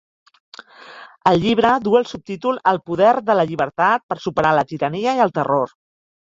El llibre duu el subtítol "El poder de la llibertat per superar la tirania i el terror".